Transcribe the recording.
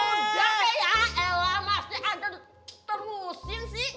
udah be ya elah masih ada terusin sih